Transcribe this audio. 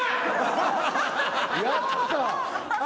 やった。